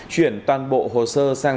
chuyển toàn bộ hồ sơ sang